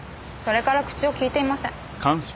それから口を利いていません。